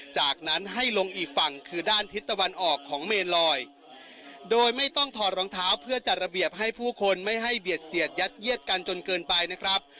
จากนั้นให้ลงอีกฝั่งคือด้านทิศตะวันออกของเมนลอยโดยไม่ต้องถอดรองเท้าเพื่อจัดระเบียบให้ผู้คนไม่ให้เบียดเสียดยัดเยียดกันจนเกินไปนะครับ